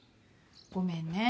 ごめんね。